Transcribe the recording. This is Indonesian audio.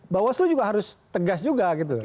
bawaslu juga harus tegas juga gitu